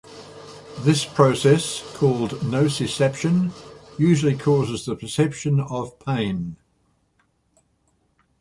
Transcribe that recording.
This process, called nociception, usually causes the perception of pain.